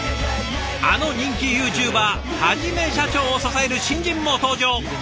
あの人気ユーチューバーはじめしゃちょーを支える新人も登場！